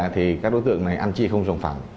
thì các đối tượng này ăn chia không sống phẳng